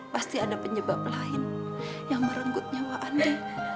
pasti ada penyebab lain yang merenggut nyawa anda